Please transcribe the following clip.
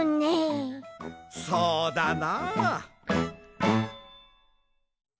そうだな。